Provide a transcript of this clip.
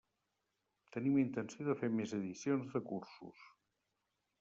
Tenim intenció de fer més edicions de cursos.